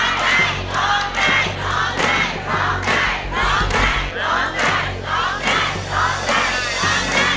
ร้องได้ร้องได้ร้องได้